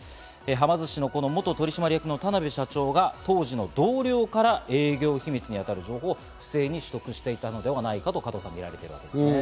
はま寿司の元取締役の田辺社長が当時の同僚から営業秘密に当たる情報を不正に取得していたのではないかとみられていますね。